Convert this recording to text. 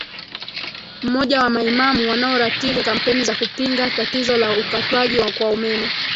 mmoja wa maimamu wanaoratibu kampeni za kupinga tatizo la ukatwaji kwa umeme